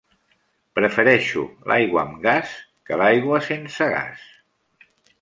Prefereixo l'aigua amb gas que l'aigua sense gas.